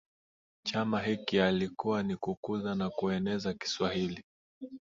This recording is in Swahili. chama hiki yalikuwa ni kukuza na kueneza Kiswahili